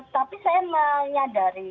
tapi saya menyadari